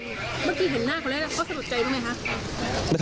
เมื่อกี้เห็นหน้าคุณแล้วค่ะเขาสะดดใจไหมคะ